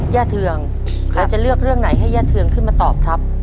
เทืองแล้วจะเลือกเรื่องไหนให้ย่าเทืองขึ้นมาตอบครับ